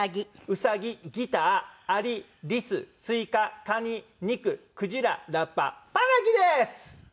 ウサギギターアリリススイカカニニククジララッパパナキです！